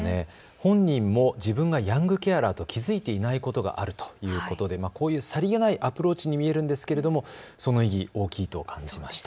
本人も自分がヤングケアラーと気付いていないことがあるということでこういうさりげないアプローチに見えるんですけれどもその意義、大きいと感じました。